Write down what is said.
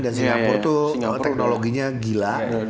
dan singapura tuh teknologinya gila